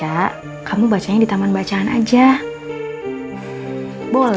ada siapa dik trout ke si spon